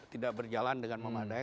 tidak berjalan dengan memadai